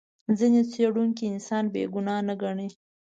ځینې څېړونکي انسان بې ګناه نه ګڼي.